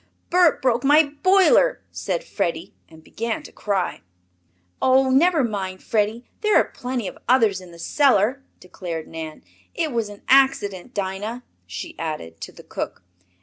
"Bert broke my boiler!" said Freddie, and began to cry. "Oh, never mind, Freddie, there are plenty of others in the cellar," declared Nan. "It was an accident, Dinah," she added, to the cook.